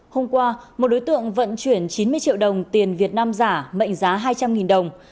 hôm qua một đối tượng vận chuyển chín mươi triệu đồng tiền việt nam giả mệnh giá hai trăm linh đồng